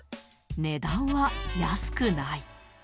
値段は安くない。